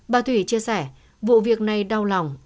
bà thủy chia sẻ vụ việc này đau lòng